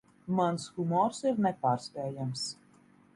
Mans humors ir nepārspējams.